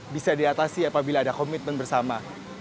bisa diatasi apabila ada komitmen bersama